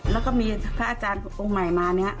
แล้วก็มีพระอาจารย์องค์ใหม่มาเนี่ย